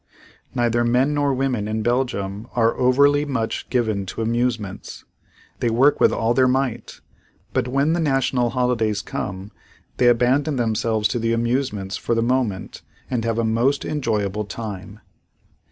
Neither men nor women in Belgium are overly much given to amusements. They work with all their might, but when the national holidays come they abandon themselves to the amusements for the moment and have a most enjoyable time.